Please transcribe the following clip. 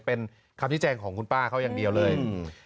เป็นคำที่แจ้งของคุณป้าเขาอย่างเดียวเลยอืม